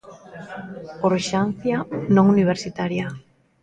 Orxásncia non universitaria.